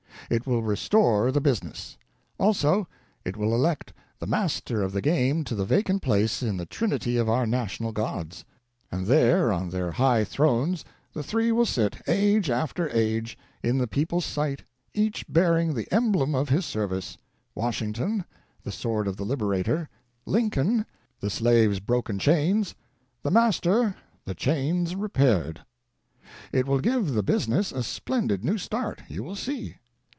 It will restore the Business. Also, it will elect the Master of the Game to the vacant place in the Trinity of our national gods; and there on their high thrones the Three will sit, age after age, in the people's sight, each bearing the Emblem of his service: Washington, the Sword of the Liberator; Lincoln, the Slave's Broken Chains ; the Master, the Chains Repaired. It will give the Business a splendid new start. You will see.